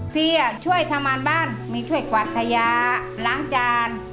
ช่วยทำงานบ้านมีช่วยกวาดพญาล้างจาน